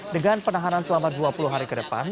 dengan penahanan selama dua puluh hari ke depan